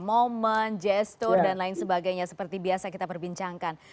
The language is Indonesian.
momen gestur dan lain sebagainya seperti biasa kita perbincangkan